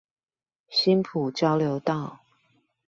新埔交流道